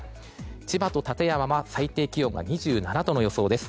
千葉と館山は最低気温が２７度の予想です。